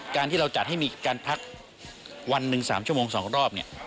การที่เราจัดให้มีการพักวันหนึ่ง๓ชั่วโมง๒รอบเนี่ย